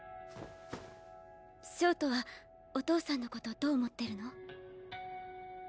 焦凍はお父さんのことどう思ってるの？